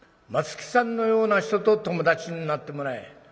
松木さんのような人と友達になってもらえ。